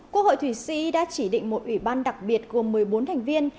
quốc hội thủy sĩ đã chỉ định một ủy ban đặc biệt gồm một mươi bốn thành viên